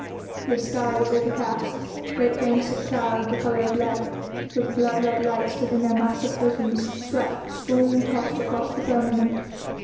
The sky was overcast, great banks of cloud, the colour of lead, with blood red lights within their massive bosoms, swept storm tossed across the firmament.